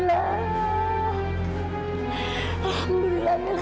tante kita harus berhenti